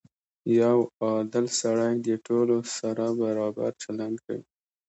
• یو عادل سړی د ټولو سره برابر چلند کوي.